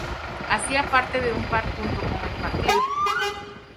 Hacía parte de un par junto con "El partido".